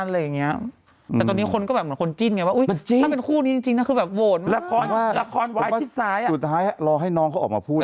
คุณแม่ไม่มีบ้างเหรอครูจิ้นสมัยเด็ก